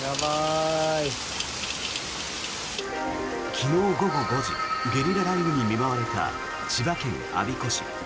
昨日午後５時ゲリラ雷雨に見舞われた千葉県我孫子市。